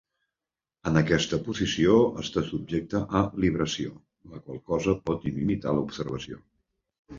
En aquesta posició, està subjecte a libració, la qual cosa pot limitar l'observació.